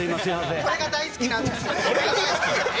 これが大好きなんです。